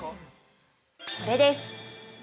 ◆これです。